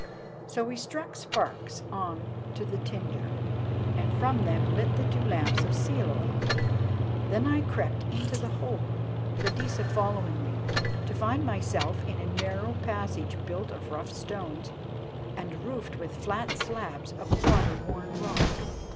So we struck sparks on to the tinder, and from them lit the two lamps of seal oil. Then I crept into the hole, Freydisa following me, to find myself in a narrow passage built of rough stones and roofed with flat slabs of water worn rock.